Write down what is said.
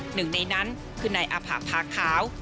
หนึ่งในนั้นคือนายอาผะพาขาว